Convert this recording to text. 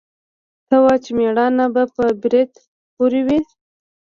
ته وا چې مېړانه به په برېت پورې وي.